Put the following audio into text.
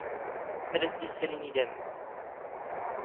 ⵎⴰⴷ ⴰⵙⵏⵜ ⵉⵙⵙⴰⵍⵉⵏ ⵉⴷⴰⵎⵎⵏ?